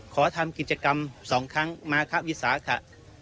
ขอทำกิจกรรมสองครั้งมาครับวิษาค่ะ